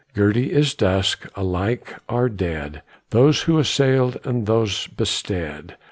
Girty is dust; alike are dead Those who assailed and those bestead.